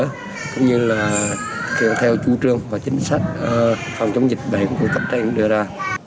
các cơ sở cũng như là theo chú trương và chính sách phản chống dịch bệnh của cấp tranh đưa ra